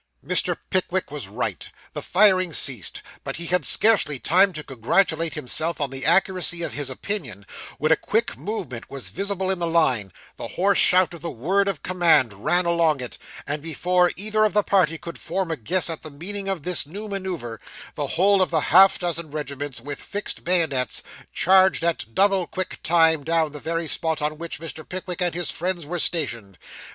Mr. Pickwick was right the firing ceased; but he had scarcely time to congratulate himself on the accuracy of his opinion, when a quick movement was visible in the line; the hoarse shout of the word of command ran along it, and before either of the party could form a guess at the meaning of this new manoeuvre, the whole of the half dozen regiments, with fixed bayonets, charged at double quick time down upon the very spot on which Mr. Pickwick and his friends were stationed.